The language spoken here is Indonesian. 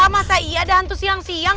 masa iya ada hantu siang siang